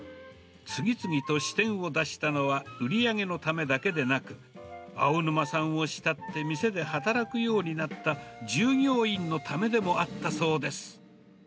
次々と支店を出したのは売り上げのためだけでなく、青沼さんをしたって店で働くようになった従業員のためでもあったそうです。